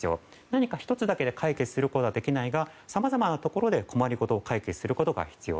何か１つだけで解決することはできないがさまざまなところで困りごとを解決することが必要。